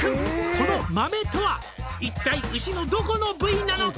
「このマメとは一体牛のどこの部位なのか」